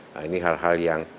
nah ini hal hal yang